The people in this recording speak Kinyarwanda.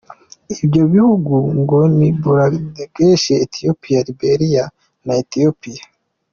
Ibyo bihugu ngo ni Bangladesh, Etiyopiya, Liberiya na Etiyopiya.